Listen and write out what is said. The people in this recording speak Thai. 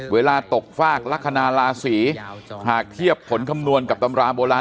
เวลาตกฟากลักษณะลาศีหากเทียบผลคำนวณกับตำราโบราณ